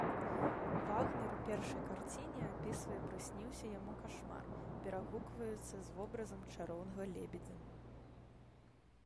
Вагнер у першай карціне апісвае прысніўся яму кашмар, перагукваюцца з вобразам чароўнага лебедзя.